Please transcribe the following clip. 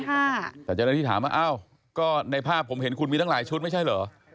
แต่เจ้าหน้าที่ถามว่าอ้าวก็ในภาพผมเห็นคุณมีตั้งหลายชุดไม่ใช่เหรอ